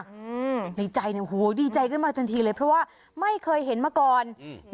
อืมในใจเนี้ยโหดีใจขึ้นมาทันทีเลยเพราะว่าไม่เคยเห็นมาก่อนอืม